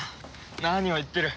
何を言ってる。